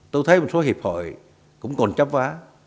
tôi thấy một số hiệp hội cũng còn chấp phá